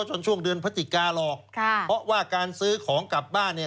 ช่วงเดือนพฤศจิกาหรอกค่ะเพราะว่าการซื้อของกลับบ้านเนี่ย